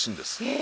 え！？